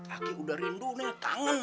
kaki udah rindu nih kangen